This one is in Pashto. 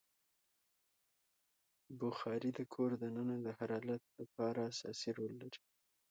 بخاري د کور دننه د حرارت لپاره اساسي رول لري.